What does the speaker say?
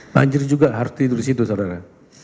banjir juga harus tidur disitu saudara